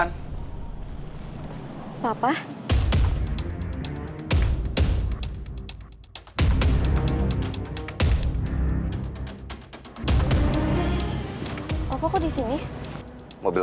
kau sudah bernafas awal k reciping kigembawan